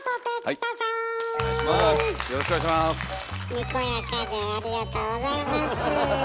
にこやかでありがとうございます。